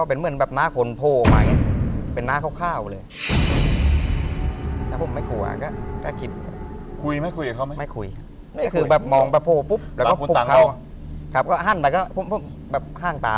เป็นหน้าขวางมาอย่างเงี้ย